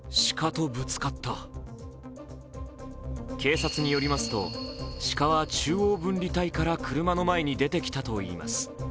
警察によりますと、鹿は中央分離帯から車の前に出てきたといいます。